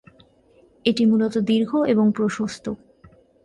এটি মূলত দীর্ঘ এবং প্রশস্ত।